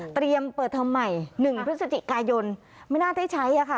เตรียมเปิดทำใหม่๑พฤศจิกายนไม่น่าได้ใช้ค่ะ